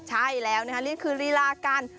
ใช่แล้วนะครับดีกว่าลีลาการ